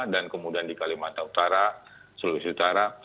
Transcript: dan kemudian di kalimantan utara sulawesi utara